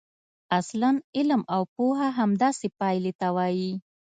اصلاً علم او پوهه همداسې پایلې ته وايي.